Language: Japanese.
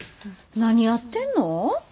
何やってんの？